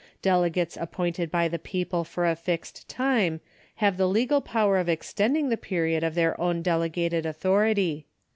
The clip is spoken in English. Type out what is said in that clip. Delegates aiipointed by the people for a fixed time have the legal power of extending the period of their own delegated authority.